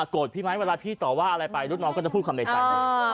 พี่ไหมเวลาพี่ต่อว่าอะไรไปรุ่นน้องก็จะพูดคำในใจ